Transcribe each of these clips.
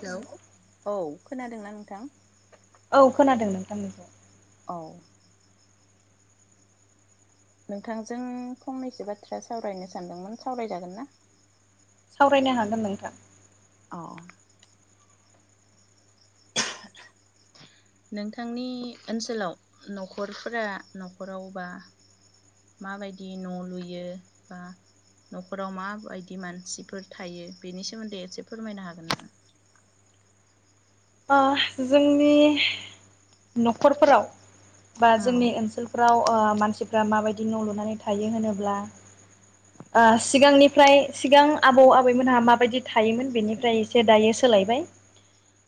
Hello औ खोनादोंना नोंथां? औ खोनादों नोंथांमोन अ् नोंथांजों फंनैसो बाथ्रा सावरायनो सानदोंमोन सावरायजागोन ना? सावरायनो हागोन नोंथां। अ नोंथांनि ओनसोलाव न'खरफोरा न'खरावबा माबायदि न' लुयो बा न'खराव माबायदि मानसिफोर थायो बेनि सोमोन्दै एसे फोरमायनो हागोन नामा? ओ जोंनि न'खरफोराव बा औ जोंनि ओनसोलफोरा राव ओ मानसिफ्रा माबायदि न' लुनानै थायो होनोब्ला ओ सिगांनिफ्राय सिगां आबौ आबैमोनहा माबायदि थायोमोन बेनिफ्राय एसे दायो सोलायबाय।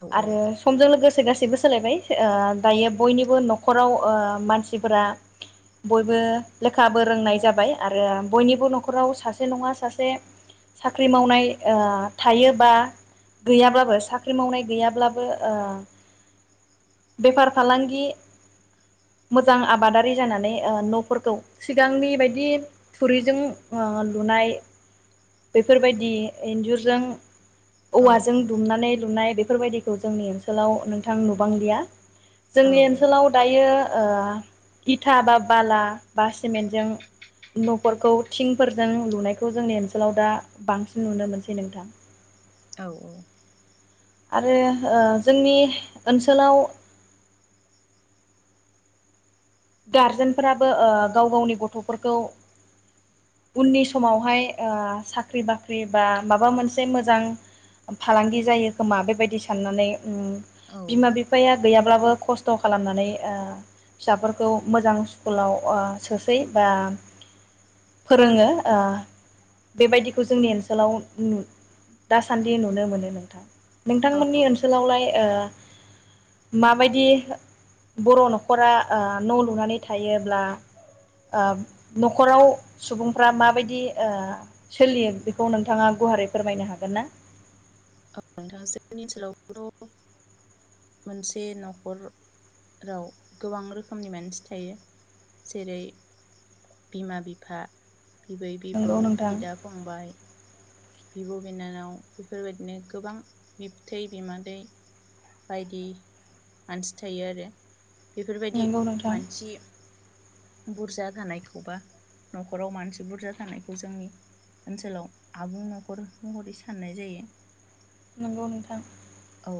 औ आरो समजों लोगोसे गासै बो सोलायबाय ओ दायो बयनिबो न'खराव ओ मानसिफोरा बयबो लेखाबो रोंनाय जाबाय आरो बयनिबो न'खराव सासे नङा सासे साख्रि मावनाय ओ थायोबा गैयाबाबो साख्रि मावनाय गैया ब्लाबो ओ बेफार फालांगि मोजां आबादारि जानानै ओ न'फोरखौ सिगांनि बायदि थुरिजों ओ लुनाय बेफोरबायदि इन्जुरजों औ औवाजों दुमनानै लुनाय बे फोरबायदिखौ जोंनि ओनसोलाव नोंथां नुबांलिया। औ जोंनि ओनसोलाव दायो ओ इथा बा बाला बा सिमेन्टजों न'खरखौ थिंफोरजों लुनायखौ जोंनि ओन सोलाव दा बांसिन नुनो मोनसै नोंथां। औ आरो ओ जोंनि ओनसोलाव गारजेनफोराबो ओ गाव गावनि गथ'फोरखौ उननि समावहाय ओ साख्रि बाख्रि बा माबा मोनसे मोजां फालांगि जायो खोमा बेबायदि साननानै उम औ बिमा बिफाया गैयाब्लाबो खस्थ' खालामनानै ओ फिसाफोर खौ मोजां स्कुलाव ओ सोसै बा फोरोङो ओ बेबायदिखौ जोंनि ओनसोलाव उम दासान्दि नुनो मोनो नोंथां। औ नोंथांमोननि ओनसोलावलाय ओ माबायदि बर' न'खरा ओ न' लुनानै थायोब्ला ओ न'खराव सुबुंफ्रा माबायदि ओ सोलियो बेखौ नोंथाङा गुवारै फोरमायनो हागोन ना? औ नोंथां जोंनि ओनसोलावथ' मोनसे न'खराव गोबां रोखोमनि मानसि थायो जेरै बिमा बिफा बिबै बिबौ नंगौ नोंथां बिदा फंबाय बिब' बिनानाव बेफोरबायदिनो गोबां बिबथै बिमादै बायदि मानसि थायो आरो। बेफोरबायदि नंगौ नोंथां मानसि बुरजा थानायखौबा न'खराव मानसि बुरजा थानायखौ जोंनि ओनसोलाव आबुं न'खर महर महरै साननाय जायो। नोंगौ नोंथां। औ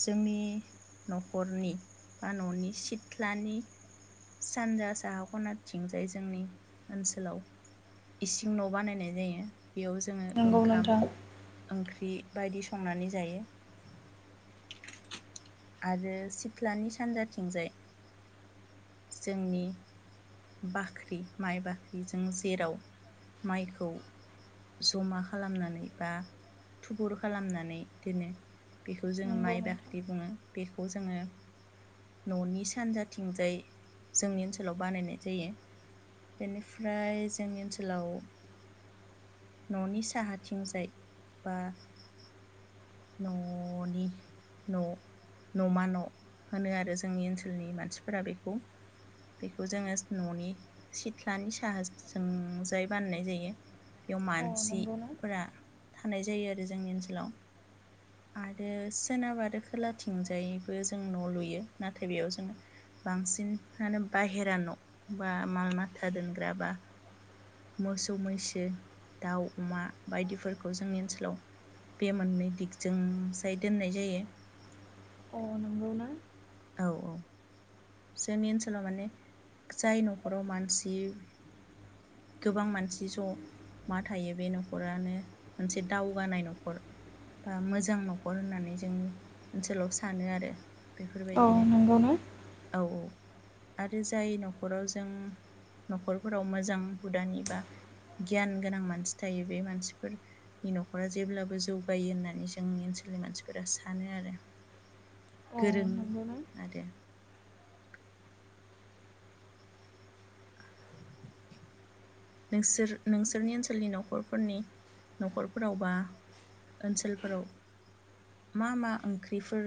जोंनि न'खरनि बा न'नि सिथ्लानि सानजा साहा खनाथिंजाय जोंनि ओनसोलाव इसिं न' बानायनाय जायो। बेयाव जोङो नंगौ ओंखाम नोंथां ओंख्रि बायदि संनानै जायो आरो सिथ्लानि सानजाथिंजाय जोंनि बाख्रि माइ बाख्रि जों जेराव माइखौ जमा खालामनानै बा थुबुर खालामनानै दोनो बे खौ जोङो नंगौ माइ नोंथां बाख्रि बुङो। बेखौ जोङो न'नि सानजाथिंजाय जोंनि ओनसोलाव बानायनाय जायो बेनिफ्राय जोंनि ओनसोलाव न'नि साहाथिंजाय बा न'नि न' न'मा न' होनो आरो जोंनि ओनसोलनि मानसिफोरा बेखौ बेखौ जोङो न'नि सिथ्लानि साहाजोंजाय बानायनाय जायो। बे अ नंगौना मानसिफोरा थानाय जायो आरो जोंनि ओनसोलाव। आरो सोनाब आरो खोलाथिंजायबो जों न' लुयो नाथाय बेयाव जोङो बांसिनानो बाहेरा न' बा माल माथा दोनग्रा बा मोसौ मैसो दाउ अमा बायदिफोरखौ जोंनि ओनसोलाव बे मोननै दिग जोंजाय दोननाय जायो। अ नंगौ ना? औ औ जोंनि ओनसोलाव माने जाय न'खराव मानसि गोबां मानसि जमा थायो बे नखरानो मोनसे दावगानाय न'खर बा मोजां न'खर होननानै जोंनि ओनसोलाव सानो आरो औ बेफोरबायदिनो नंगौ ना? औ औ आरो जाय न'खराव जों न'खरफोराव मोजां हुदानि बा गियान गोनां मानसि थायो बे मानसिफोरनि न'खरा जेब्लाबो जौगायो होननानै जोंनि ओनसोलनि मानसिफोरा सानो आरो अ गोरों नंगौना आरो। नोंसोर नोंसोरनि ओनसोलनि न'खरफोरनि न'खरफोराव बा ओनसोलफोराव मा मा ओंख्रिफोर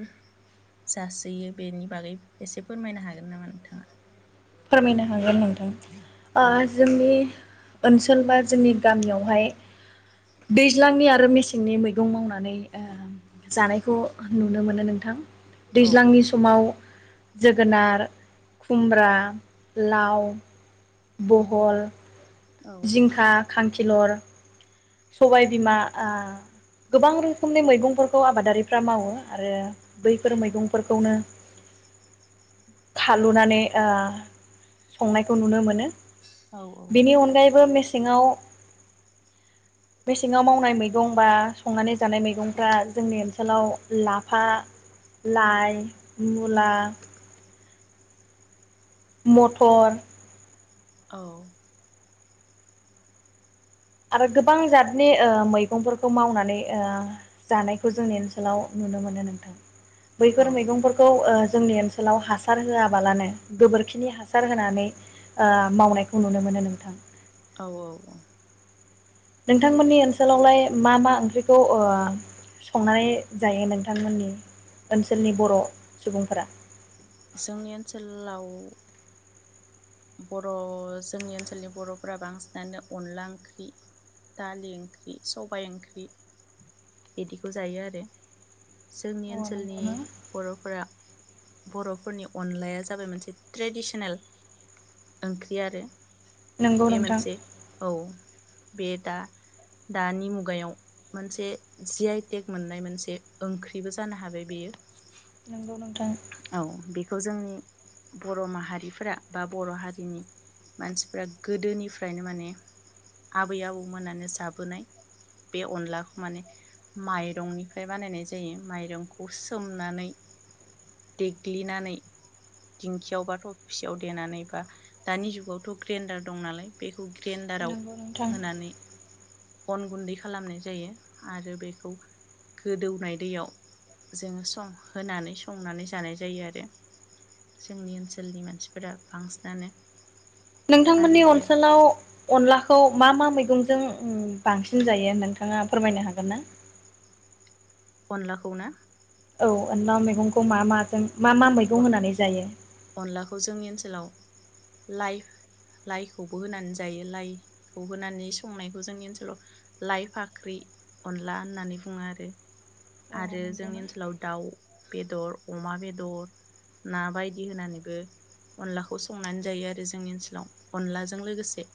जासोयो बेनि बागै एसे फोरमायनो हागोन नामा नोंथाङा? फोरमायनो हागोन नोंथां ओ औ जोंनि ओनसोल बा जोंनि गामियावहाय दैज्लांनि आरो मेसेंनि मैगं मावनानै ओ जानायखौ नुनो मोनो नोंथां। औ दैज्लांनि समाव जोगोनार, खुमब्रा लाव, बहल औ जिंखा खांखि लर सबायबिमा आ गोबां रोखोमनि मैगंफोरखौ आबादारिफ्रा मावो आरो बैफोर मैगंफोरखौनो खालुनानै ओ संनायखौ नुनो मोनो। औ बेनि अनगायैबो मेस सेङाव मेसेङाव मावनाय मैगं बा संनानै जानाय मैगंफ्रा जोंनि ओनसोलाव लाफा, लाइ, मुला मटर औ आरो गोबां जादनि ओ मैगंफोरखौ मावनानै ओ जानायखौ जोंनि ओनसोलाव नुनो मोनो नोंथां। औ बैफोर मैगंफोरखौ ओ जोंनि ओनसोलाव हासार होआबालानो गोबोरखिनि हासार होनानै ओ मावनायखौ नुनो मोनो नोंथां। औ औ औ नोंथांमोननि ओनसोलावलाय मा मा ओंख्रिखौ ओ संनानै जायो नोंथांमोननि ओनसोलनि बर' सुबुंफोरा? जोंनि ओनसोलाव बर' जोंनि ओनसोलनि बर'फोरा बांसिनानो अनला ओंख्रि दालि ओंख्रि सबायाइ ओंख्रि बिदिखौ जायो आरो। जोंनि अ ओनसोलनि नंगौना बर'फोरा बर'फोरनि अनलाया जाबाय मोनसे ट्रेडिसनेल ओंख्रि आरो। नंगौ बे नोंथां मोनसे औ बे दा दानि मुगायाव मोनसे जि आइ टेग मोननाय मोनसे ओंख्रिबो जानो हाबाय बेयो। नोंगौ नोंथां खौ जोंनि बर माहारिफोरा बा बर हारिनि मानसिफोरा गोदोनिफ्रायनो माने आबै आबौमोनानो जाबोनाय बे अनलाखौ माने माइरंनिफ्राय बानायनाय जायो माइरंखौ सोमनानै देग्लिनानै दिंखियाव बा थबसियाव देनानै बा दानि जुगावथ ग्रेण्डार दं नालाय बेखौ ग्रेन्डाराव नंगौ नोंथां होनानै अन गुन्दै खालामनाय जायो आरो बेखौ गोदौनाय दैयाव जोंङो सं होनानै संनानै जानाय जायो आरो जोंनि ओनसोलनि मानसि फोर बांसिनानो आरो नोंथांमोननि बेयाव ओनसोलाव अनलाखौ मा मा मैगंजों बांसिन जायो नोंथांङा फोरमायनो हागोन ना अनलाखौ ना औ अनला मैगंखौ मा माजों मा मा मैगं होनानै जायो? अनलाखौ जोंनि ओनसोलाव लाइ लाइखौबो होनानै जायो लाइखौ होनानै संनायखौ जोंनि ओनसोलाव लाइ फाख्रि अनला होननानै बुंङो आरो आरो नंगौना जोंनि ओनसोलाव दाउ बेदर अमा बेदर ना बायदि होनानैबो अनलाखौ संनानै जायो आरो जोंनि ओनसोलाव अनलाजों लोगोसे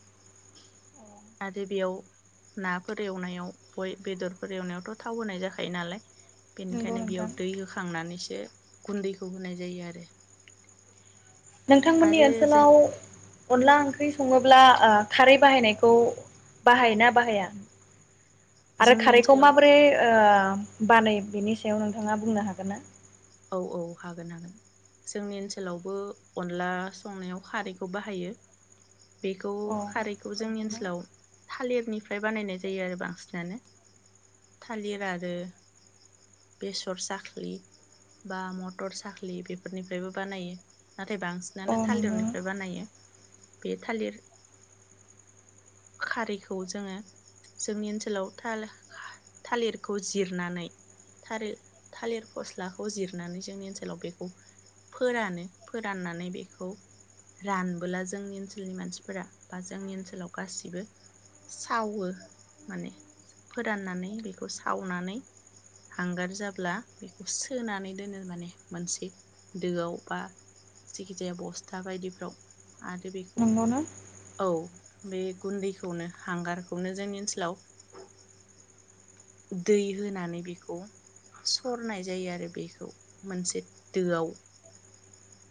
आरो बेयाव नाफोर एवनायाव बय बेदरफोर एवनायावथ' थाव होनाय जाखायो नालाय नंगौ बेनिखायनो बेयाव नोंथां दै होखांनानै एसे गुन्दैखौ होनाय जायो आरो नोंथांमोननि आरो जों ओनसोलाव अनला ओंख्रि ओंख्रि संङोब्ला खारै बाहायनायखौ बाहायो ना बाहाया आरो जोंनि खारैखौ ओनसोलाव माबोरै बानायो बेनि सायाव नोंथांङा बुंनो हागोन ना? औ औ हागोन हागोन जोंनि ओनसोलावबो अनला संनायाव खारैखौ बाहायो। बेखौ अ खारैखौ जोंनि नंगौना ओनसोलाव थालिरनिफ्राय बानायनाय जायो आरो बांसिनानो थालिर आरो बेसर साख्रि बा मटर साखलि बेफोरनिफ्रायबो बानायो। नाथाय अ बांसिनानो नंगौना थालिरनिफ्राय बानायो। बे थालिर खारैखौ जोंङो जोंनि ओनसोलाव थाल थालिरखौ जिरनानै थालिर थालिर फस्लाखौ जिरनानै जोंनि ओनसोलाव बेखौ फोरानो फोराननानै बेखौ रानबोला जोंनि ओनसोलनि मानसिफोरा बा जोंनि ओनसोलाव गासिबो सावो माने फोराननानै बेखौ सावनानै हांगार जाब्ला बेखौ सोनानै दोनो माने मोनसे दोआव बा जाखि जाया बस्था बायदिफ्राव आरो बेखौ नंगौना औ बे गुन्दैखौनो हांगारखौनो जोंनि ओनसोलाव दै होनानै बेखौ सरनाय जायो आरो बेखौ मोनसे दोआव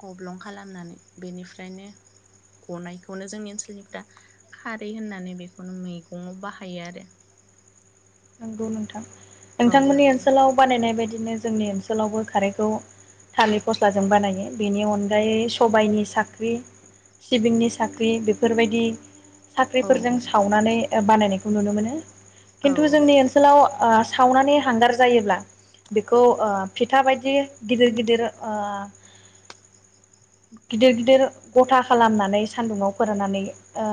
गब्लं खालामनानै बेनिफ्रायनो गनायखौनो जोंनि ओनसोलनिफ्राखारै होननानै बेखौनो मैगङाव बाहायो आरो। नंगौ नोंथां औ नोंथांमोननि नोंथां ओनसोलाव बानायनाय बायदि बिदिनो जोंनि ओनसोलावबो खारैखौ थालिर फस्लाजों बानायो बेनि अनगायै सबायाइनि साख्रि सिबिंनि साख्रि बेफोरबायदि औ साख्रिफोरजों औ सावनानै बानायनायखौ नुनो मोनो औ थ' जोंनि ओनसोलाव ओ सावनानै हांगार जायोब्ला बेखौ ओ फिथा बायदि गिदिर गिदिर ओ गिदिर गिदिर गथा खालामनानै सान्दुंङाव फोराननानै ओ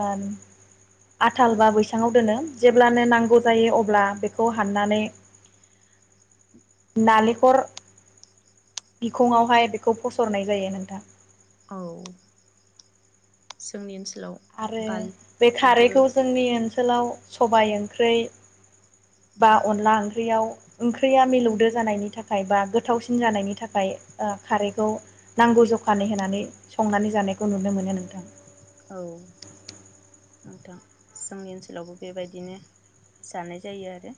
आथाल बा बैसाङाव दोनो जेब्लानो नांगौ जायो अब्ला बेखौ हाननानै नालेंखर बिखंङावहाय बेखौ फसरनाय जायो नोंथां। औ जोंनि ओनसो आरो बे खारैखौ जोंनि ओन सोलाव सबाय ओंख्रि बा अनला ओंख्रियाव ओंख्रिया मिलौदो जानायनि थाखाय बा गोथावसिन जानायनि थाखाय ओ खारैखौ नांगौ जखानै होनानै संनानै जानायखौ नुनो मोनो नोंथां। औ नोंथां, जोंनि ओनसोलावबो बेबायदिनो जानाय जायो आरो।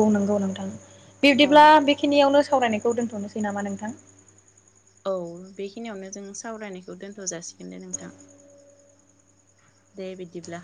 बुं नंगौ नोंथां। औ बिब्दिब्ला बेखिनियावनो सावरायनायखौ दोन्थ'नोसै नामा नोंथां? औ बेखिनियावनो जों सावरायनायखौ दोनथ' जासिगोन दे नोंथां। दे बिदिब्ला।